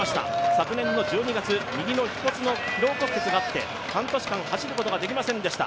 昨年の１２月、右のひ骨の疲労骨折があって半年間、走ることができませんでした。